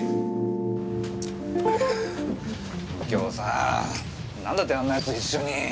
右京さんなんだってあんな奴一緒に。